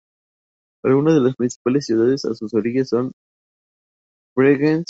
Algunas de las principales ciudades a sus orillas son: Bregenz y Bodman-Ludwigshafen.